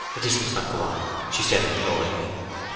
'This must not go on,' she said imploringly.